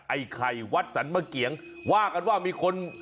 ไอไข่วัดสันเมื่อกี๋ยังว่ากันว่ามีคน